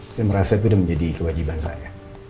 saya merasa itu sudah menjadi kewajiban saya